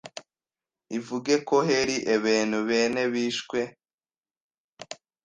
ivuge ko heri ebentu bene bishwe,